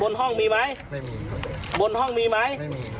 บนห้องมีไหมบนห้องมีไหม